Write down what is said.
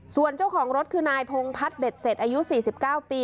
ส่วนเจ้าของรถคือนายพงพัฒน์เบ็ดเสร็จอายุ๔๙ปี